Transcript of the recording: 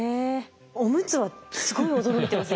おむつはすごい驚いてます